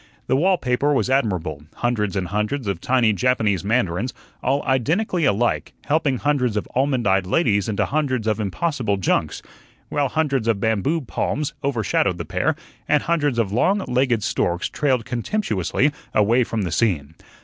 The wall paper was admirable hundreds and hundreds of tiny Japanese mandarins, all identically alike, helping hundreds of almond eyed ladies into hundreds of impossible junks, while hundreds of bamboo palms overshadowed the pair, and hundreds of long legged storks trailed contemptuously away from the scene.